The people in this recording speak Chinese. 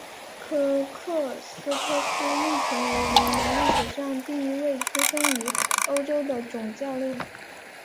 科克斯柯夫亦成为联盟历史上第一位出生于欧洲的总教练。